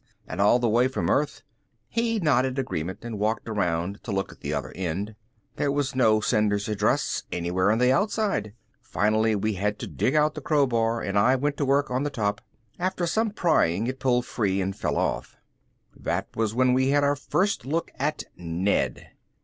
And all the way from earth." He nodded agreement and walked around to look at the other end. There was no sender's address anywhere on the outside. Finally we had to dig out the crowbar and I went to work on the top. After some prying it pulled free and fell off. That was when we had our first look at Ned.